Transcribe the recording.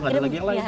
gak ada lagi apa apa